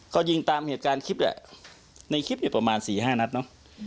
เขายิงตามเหตุการณ์คลิปอ่ะในคลิปเนี้ยประมาณสี่ห้านัดเนอะ